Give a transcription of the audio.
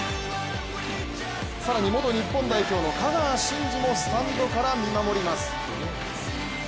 更に元日本代表の香川真司もスタンドから見守ります。